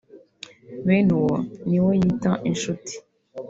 bene uwo niwe yita inshuti